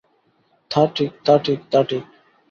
তা ঠিক, তা ঠিক, তা ঠিক!